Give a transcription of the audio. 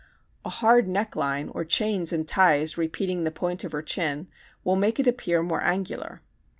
A hard neck line or chains and ties repeating the point of her chin will make it appear more angular.